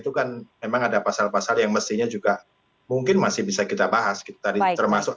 itu kan memang ada pasal pasal yang mestinya juga mungkin masih bisa kita bahas tadi termasuk